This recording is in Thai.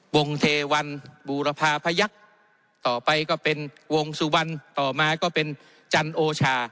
วงเทวันบูรพาพยักษ์ต่อไปก็เป็นวงสุวรรณต่อมาก็เป็นจันโอชา